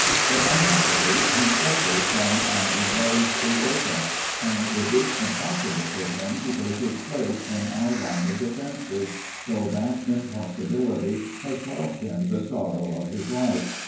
But unhappily he suffers from an enlarged aorta and it is impossible for him to take his place in our line of defences, though that impossibility has caused him the sorrow of his life.